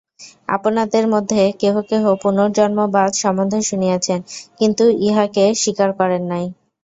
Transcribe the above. আপনাদের মধ্যে কেহ কেহ পুনর্জন্মবাদ সম্বন্ধে শুনিয়াছেন, কিন্তু ইহাকে স্বীকার করেন নাই।